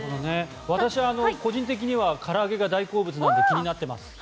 私は、個人的には唐揚げが大好物なので気になっております。